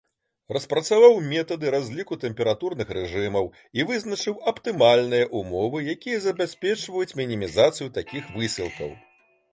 Распрацаваў метады разліку тэмпературных рэжымаў і вызначыў аптымальныя ўмовы, якія забяспечваюць мінімізацыю такіх высілкаў.